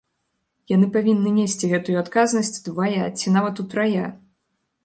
Яны павінны несці гэтую адказнасць удвая ці нават утрая.